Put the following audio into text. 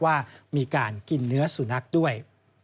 ว่ามีการกินเนื้อสุนัขด้วย